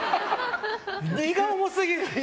荷が重すぎる。